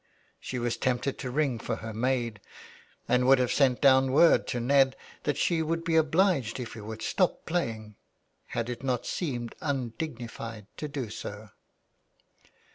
She was tempted to ring for her maid, and would have sent down word to Ned that she would be obliged if he would stop playing, had it not seemed undignified to do so.